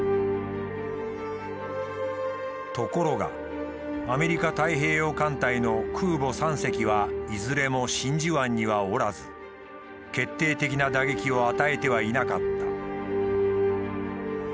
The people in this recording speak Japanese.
ところがアメリカ太平洋艦隊の空母３隻はいずれも真珠湾にはおらず決定的な打撃を与えてはいなかった。